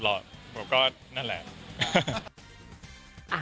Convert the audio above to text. แล้วเราก็นั่นแหละ